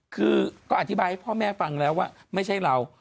คือก็อธิบายให้พ่อแม่ฟังแล้วว่าไม่ใช่เรา